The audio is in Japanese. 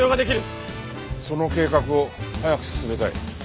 その計画を早く進めたい。